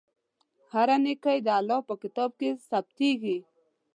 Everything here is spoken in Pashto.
هره نېکۍ د الله په کتاب کې ثبتېږي.